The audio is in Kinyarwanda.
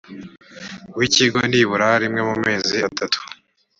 w ikigo nibura rimwe mu mezi atatu